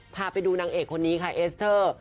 พาไปดูนางเอกคนนี้ค่ะเอสเตอร์